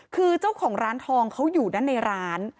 คือเจ้าของร้านทองเขาอยู่ด้านในร้าน